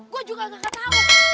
gue juga gak ketahuan